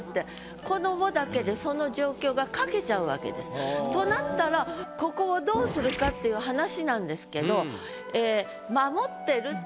この「を」だけでその状況が書けちゃうわけです。となったらここをどうするかっていう話なんですけど。